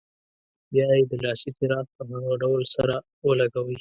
بیا یې د لاسي چراغ په هغه ډول سره ولګوئ.